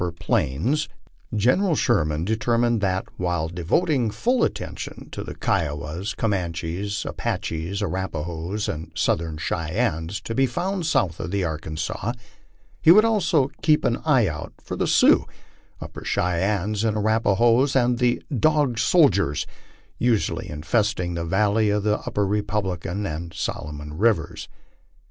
;er plains, General Sheridan determined that, while devoting full attention to the Kiowas, Comanches, Apaehes, Arapahces, and Southern Cheyennes, to lie found south of the Arkansas, he would also keep an eye out for the Sioux, Upper Cheyennes, and Arapahoes, and the " Dog Soldiers, 1 ' usually infesting the valleys of the Upper Republican and Solomon rivers.